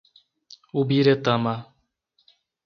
Ubiretama